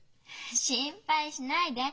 心配しないで。